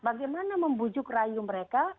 bagaimana membujuk rayu mereka